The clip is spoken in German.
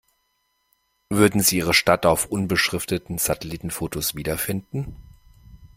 Würden Sie Ihre Stadt auf unbeschrifteten Satellitenfotos wiederfinden?